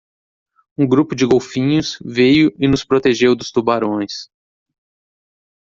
Um grupo de golfinhos veio e nos protegeu dos tubarões.